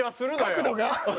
角度が。